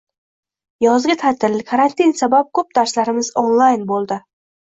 Yozgi taʼtil, karantin sabab koʻp darslarimiz onlayn boʻldi.